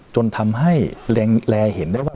จนทำให้แรงเห็นได้ว่า